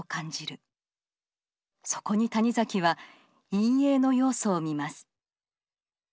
そこに谷崎は陰翳の要素を見ます。